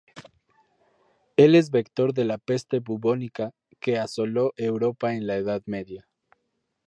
Es el vector de la peste bubónica, que asoló Europa en la Edad Media.